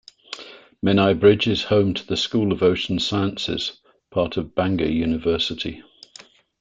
Menai Bridge is home to the School of Ocean Sciences, part of Bangor University.